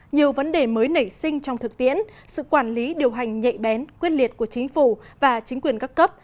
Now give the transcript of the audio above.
nhiều vấn đề mới nảy sinh trong thực tiễn sự quản lý điều hành nhạy bén quyết liệt của chính phủ và chính quyền các cấp